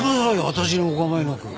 私にお構いなく。